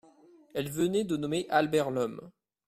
Elle venait de nommer Albert Lhomme.